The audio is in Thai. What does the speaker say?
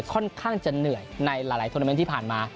ค่อนข้างจะเหนื่อยในหลายโทรเมนต์ที่ผ่านมา